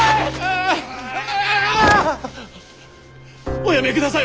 おやめください